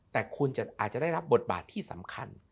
แต่คุณอาจจะได้รับบทบาทที่สำคัญ